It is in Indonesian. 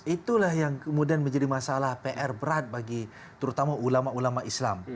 itulah yang kemudian menjadi masalah pr berat bagi terutama ulama ulama islam